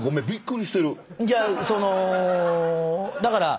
いやそのだから。